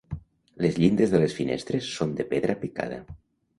Les llindes de les finestres són de pedra picada.